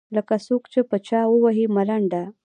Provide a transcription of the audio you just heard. لکــــه څــوک چې په چـــا ووهي ملـــنډه.